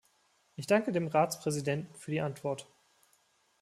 Ich danke dem Ratspräsidenten für die Antwort.